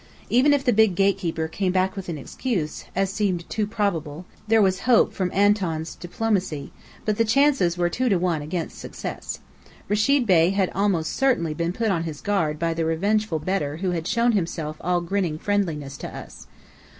Even if the big gatekeeper came back with an excuse, as seemed too probable, there was hope from Antoun's diplomacy; but the chances were two to one against success. Rechid Bey had almost certainly been put upon his guard by the revengeful Bedr who had shown himself all grinning friendliness to us.